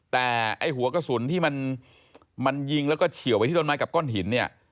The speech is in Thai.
แต่ไอ้หัวกระสุนที่มันยิงแล้วก็เฉียวไปที่ต้นไม้กับก้อนหินเนี่ย